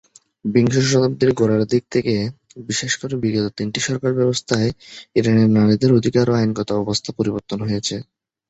বিংশ শতাব্দীর গোড়ার দিক থেকে, বিশেষ করে বিগত তিনটি সরকার ব্যবস্থায় ইরানি নারীদের অধিকার ও আইনগত অবস্থা পরিবর্তিত হয়েছে।